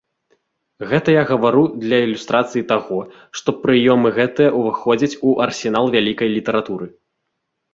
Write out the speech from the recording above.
Гэта я гавару для ілюстрацыі таго, што прыёмы гэтыя ўваходзяць у арсенал вялікай літаратуры.